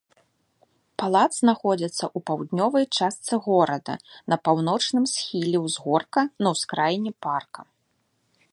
Палац знаходзіцца ў паўднёвай частцы горада на паўночным схіле ўзгорка, на ўскраіне парка.